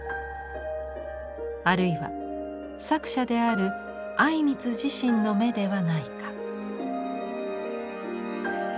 あるいは作者である靉光自身の眼ではないか。